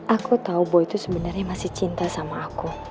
aku tau boy itu sebenernya masih cinta sama aku